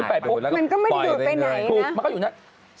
มันก็ไม่ได้ดูดไปไหนนะปุ๊บมันก็อยู่นั่นใช้ไก่